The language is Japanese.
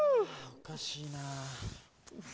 おかしいな。